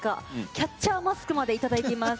キャッチャーマスクまでいただいています。